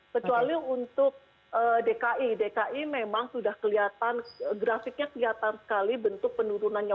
kecuali untuk dki dki memang sudah kelihatan grafiknya kelihatan sekali bentuk penurunannya